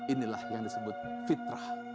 inilah yang disebut fitrah